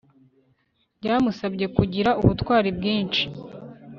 byamusabye kugira ubutwari bwinshi